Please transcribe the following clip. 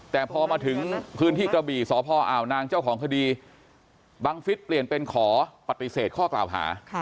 แต่พอมาถึงพื้นที่กระบี่สพอ่าวนางเจ้าของคดีบังฟิศเปลี่ยนเป็นขอปฏิเสธข้อกล่าวหา